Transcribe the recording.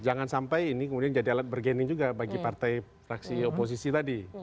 jangan sampai ini kemudian jadi alat bergening juga bagi partai fraksi oposisi tadi